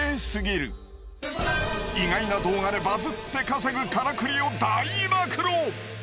意外な動画でバズって稼ぐカラクリを大暴露！